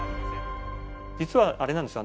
実は、あれなんですよ。